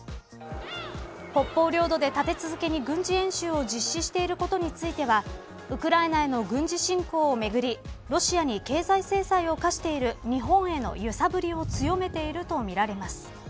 北方領土で立て続けに軍事演習を実施していることについてはウクライナへの軍事侵攻をめぐりロシアに経済制裁を科している日本への揺さぶりを強めているとみられます。